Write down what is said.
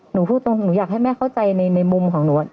หนูพูดตรงหนูอยากให้แม่เข้าใจในมุมของหนู